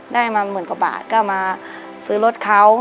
ได้มาหมื่นกว่าบาทก็มาซื้อรถเขา